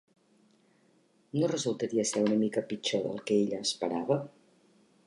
No resultaria ser una mica pitjor del que ella esperava?